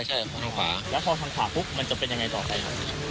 ทางขวาแล้วพอทางขวาปุ๊บมันจะเป็นยังไงต่อไปครับ